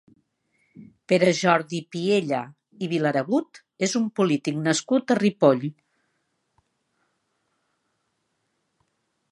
Pere Jordi Piella i Vilaregut és un polític nascut a Ripoll.